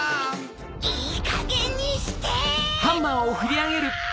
いいかげんにして‼うわ！